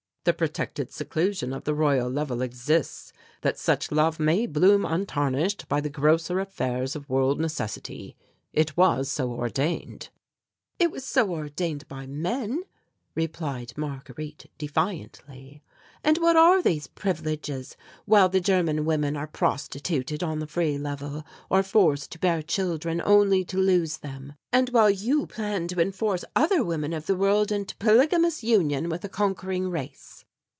The protected seclusion of the Royal Level exists that such love may bloom untarnished by the grosser affairs of world necessity. It was so ordained." "It was so ordained by men," replied Marguerite defiantly, "and what are these privileges while the German women are prostituted on the Free Level or forced to bear children only to lose them and while you plan to enforce other women of the world into polygamous union with a conquering race?"